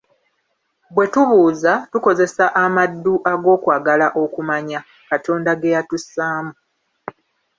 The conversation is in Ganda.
Bwe tubuuza, tukozesa amaddu ag'okwagala okumanya, Katonda ge yatussamu.